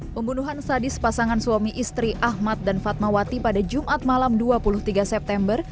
pembunuhan sadis pasangan suami istri ahmad dan fatmawati pada jumat malam dua puluh tiga september